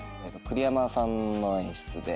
栗山さんの演出で。